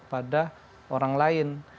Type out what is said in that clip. pada orang lain